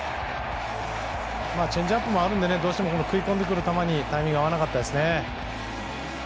チェンジアップもあるのでどうしても食い込んでくる球にタイミングが合わなかったですね。